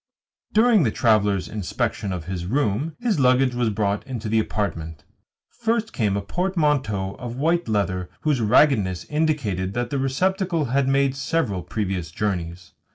During the traveller's inspection of his room his luggage was brought into the apartment. First came a portmanteau of white leather whose raggedness indicated that the receptacle had made several previous journeys.